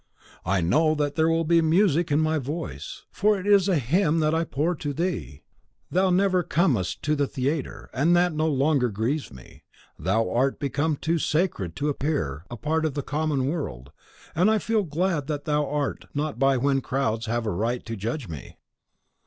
I know that there will be music in my voice, for it is a hymn that I pour to thee. Thou never comest to the theatre; and that no longer grieves me. Thou art become too sacred to appear a part of the common world, and I feel glad that thou art not by when crowds have a right to judge me.